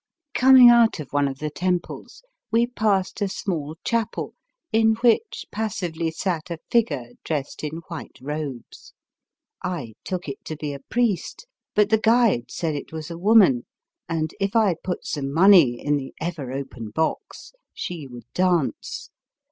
Coming out of one of the temples we passed a small chapel in which passively sat a figure dressed in white robes. I took it to be a priest, but the guide said it was a woman, and if I put some money in the ever open box she would dance.